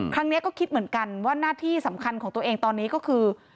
ครั้งนี้ก็คิดเหมือนกันว่าหน้าที่สำคัญของตัวเองตอนนี้ก็คือ